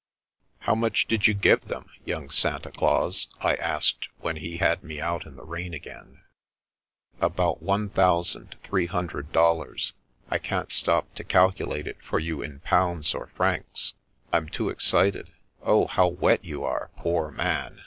" How much did you give them, young Santa Claus ?" I asked, when he had me out in the rain again. A Man from the Dark 203 " About one thousand three hundred dollars. I can't stop to calculate it for you in pounds or francs. I'm too excited. Oh, how wet you are, poor Man